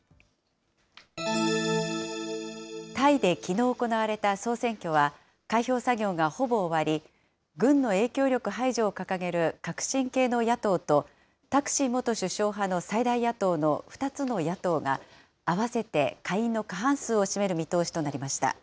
タイできのう行われた総選挙は、開票作業がほぼ終わり、軍の影響力排除を掲げる革新系の野党と、タクシン元首相派の最大野党の２つの野党が、合わせて下院の過半数を占める見通しとなりました。